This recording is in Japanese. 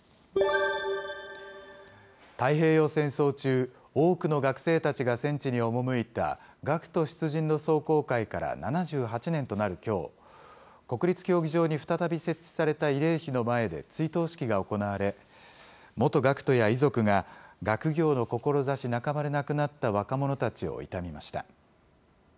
太平洋戦争中、多くの学生たちが戦地に赴いた学徒出陣の壮行会から７８年となるきょう、国立競技場に再び設置された慰霊碑の前で追悼式が行われ、元学徒や遺族が、学業の志半ばで亡くなった若者たちを悼みました。